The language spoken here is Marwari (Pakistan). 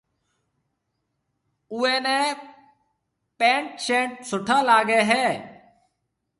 اوئي نيَ پينٽ شرٽ سُٺا لاگي ھيََََ